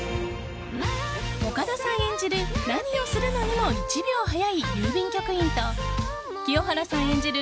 岡田さん演じる何をするのにも１秒早い郵便局員と清原さん演じる